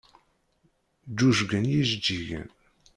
Ǧǧuǧgen yijeǧǧigen.